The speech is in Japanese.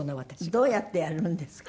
どうやってやるんですか？